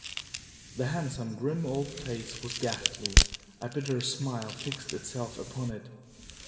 The handsome, grim old face was ghastly. A bitter smile fixed itself upon it.